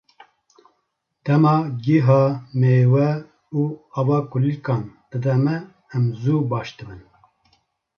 Dema gîha, mêwe û ava kulîlkan dide me, em zû baş dibin.